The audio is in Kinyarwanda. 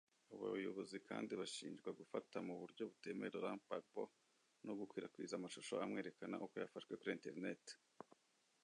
Abo bayobozi kandi bashinjwa gufata mu buryo butemewe Laurent Gbagbo no gukwirakwiza amashusho amwerekana uko yafashwe kuri internet